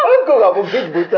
aku gak mungkin buta